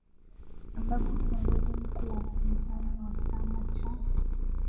ambako kiongozi mkuu wa upinzani wa chama cha